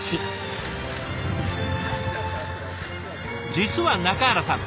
実は中原さん